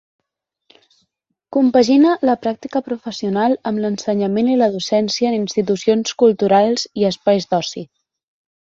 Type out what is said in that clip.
Compagina la pràctica professional amb l’ensenyament i la docència en institucions culturals i espais d'oci.